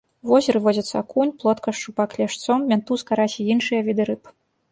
У возеры водзяцца акунь, плотка, шчупак, лешч, сом, мянтуз, карась і іншыя віды рыб.